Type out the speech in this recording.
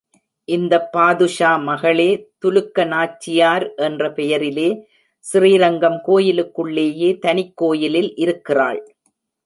இந்தப் பாதுஷா மகளே துலுக்க நாச்சியார் என்ற பெயரிலே, ஸ்ரீரங்கம் கோயிலுக்குள்ளேயே தனிக் கோயிலில் இருக்கிறாள்.